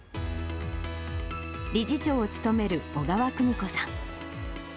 理事長を務める小川久美子さん。